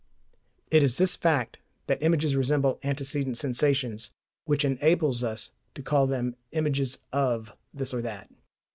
It is this fact, that images resemble antecedent sensations, which enables us to call them images "of" this or that.